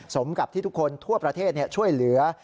สมกับที่ทุกคนทั่วประเทศช่วยเหลือ